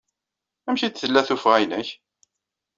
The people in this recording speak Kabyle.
Amek ay d-tella tuffɣa-nnek?